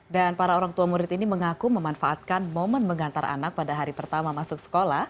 dan para orang tua murid ini mengaku memanfaatkan momen mengantar anak pada hari pertama masuk sekolah